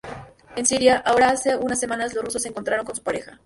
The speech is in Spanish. En Siria, ahora, hace unas semanas los rusos se encontraron con su pareja.